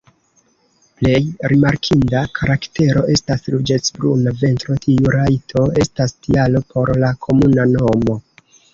Plej rimarkinda karaktero estas ruĝecbruna ventro, tiu trajto estas tialo por la komuna nomo.